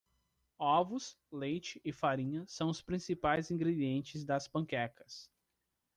Ovos? leite e farinha são os principais ingredientes das panquecas.